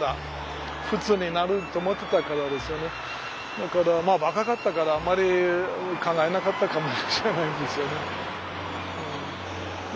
だからまあ若かったからあまり考えなかったかもしれないんですよね。